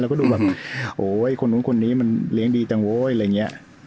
เราก็ดูว่าโอ้คนนู้นคนนี้มันเลี้ยงดีจังโว้ยอะไรเงี้ย